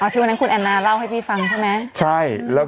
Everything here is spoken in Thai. ที่วันนั้นคุณแอนนาเล่าให้พี่ฟังใช่ไหม